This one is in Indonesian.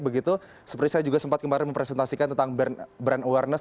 begitu seperti saya juga sempat kemarin mempresentasikan tentang brand awareness